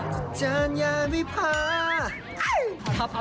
จ้ะจ้านยังมิภา